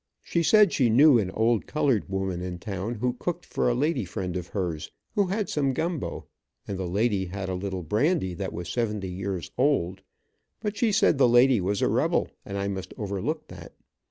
She said she knew an old colored woman in town, who cooked for a lady friend of hers, who had some gumbo, and the lady had a little brandy that was seventy years old, but she said the lady was a rebel, and I must overlook that.